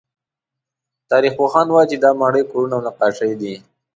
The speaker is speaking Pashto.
تاریخپوهان وایي چې دا ماڼۍ، کورونه او نقاشۍ دي.